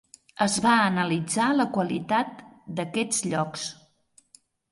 Es va analitzar la qualitat d'aquests llocs.